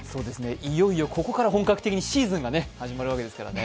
いよいよここから本格的にシーズンが始まるわけですからね。